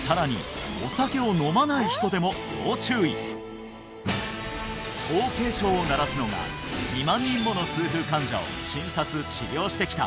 さらにそう警鐘を鳴らすのが２万人もの痛風患者を診察治療してきた